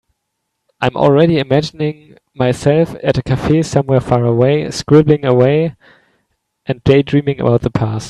I am already imagining myself at a cafe somewhere far away, scribbling away and daydreaming about the past.